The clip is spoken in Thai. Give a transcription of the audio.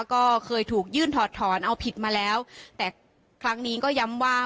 ก็เคยถูกยื่นถอดถอนเอาผิดมาแล้วแต่ครั้งนี้ก็ย้ำว่า